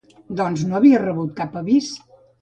Doncs no havia rebut cap avis.